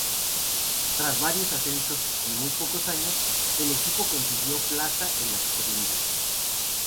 Tras varios ascensos en muy pocos años, el equipo consiguió plaza en la Superliga.